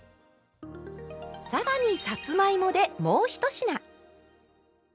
更にさつまいもでもう１品！